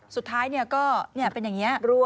สุดท้ายก็เป็นอย่างนี้